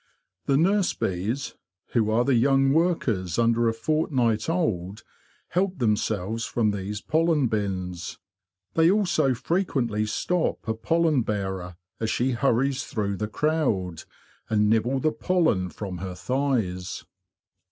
The nurse bees, who are the young workers under a fortnight old, help themselves from these pollen bins. They also frequently stop a pollen bearer as she hurries through the crowd, and nibble the pollen from her thighs.